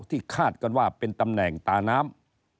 คาดกันว่าเป็นตำแหน่งตาน้ำ